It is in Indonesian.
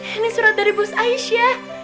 ini surat dari bus aisyah